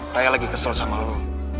raya lagi kesel sama lu